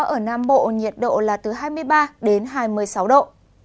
ở nam bộ nhiệt độ là từ hai mươi ba đến hai mươi sáu độ